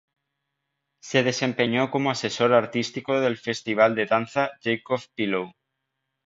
Se desempeñó como asesor artístico del Festival de Danza Jacob Pillow.